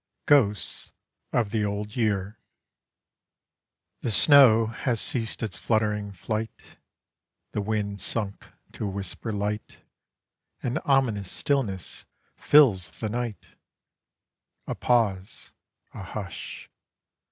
GHOSTS OF THE OLD YEAR The snow has ceased its fluttering flight, The wind sunk to a whisper light, An ominous stillness fills the night, A pause a hush.